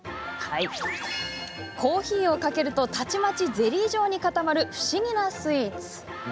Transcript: コーヒーをかけるとたちまちゼリー状に固まる不思議なスイーツ。